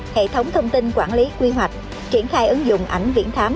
hệ thống thông tin quản lý quy hoạch triển khai ứng dụng ảnh viễn thám